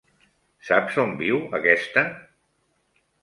Saps on viu aquesta.?